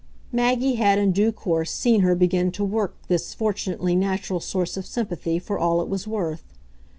Maggie had in due course seen her begin to "work" this fortunately natural source of sympathy for all it was worth.